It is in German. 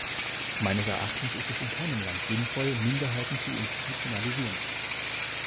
Meines Erachtens ist es in keinem Land sinnvoll, Minderheiten zu institutionalisieren.